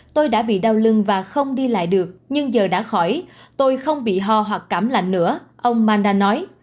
tôi đã bị đau lưng và không đi lại được nhưng giờ đã khỏi tôi không bị ho hoặc cảm lạnh nữa ông manda nói